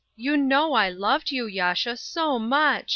You know I loved you, Yasha, so much!